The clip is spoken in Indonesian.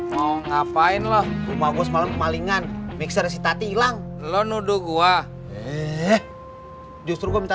mau ngapain loh rumah gue malem malingan mixer sitati hilang lo nuduh gua justru minta